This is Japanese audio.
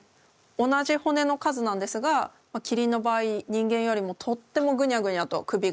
同じ骨の数なんですがキリンの場合人間よりもとってもグニャグニャと首が動きます。